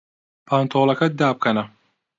پاڵتۆکەت دابکەنە.